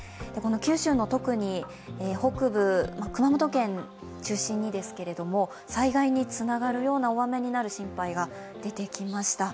九州の特に北部、熊本県中心にですけれども、災害につながるような大雨になる心配が出てきました。